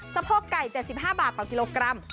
สะโพกไก่๗๕บาทต่อกิโลกรัม